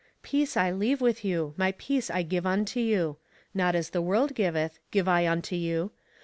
Peace I leave with you, my peace I give unto you : not as the world giveth, give I unto you.